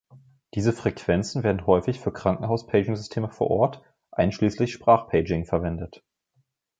Diese Frequenzen werden häufig für Krankenhaus-Paging-Systeme vor Ort, einschließlich Sprach-Paging, verwendet.